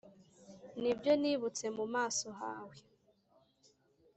nibyo, nibutse mu maso hawe!